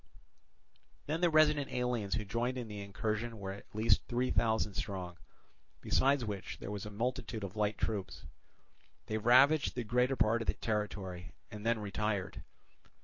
Then the resident aliens who joined in the incursion were at least three thousand strong; besides which there was a multitude of light troops. They ravaged the greater part of the territory, and then retired.